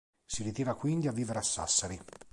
Si ritira quindi a vivere a Sassari.